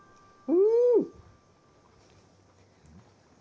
うん。